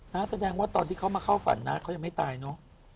แสดงว่าตอนที่เขามาเข้าฝันน้าเขายังไม่ตายเนอะ